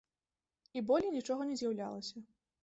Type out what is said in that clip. І болей нічога не з'яўлялася.